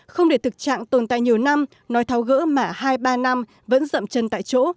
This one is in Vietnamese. không để thực trạng tồn tại nhiều năm nói tháo gỡ mà hai ba năm vẫn dậm chân tại chỗ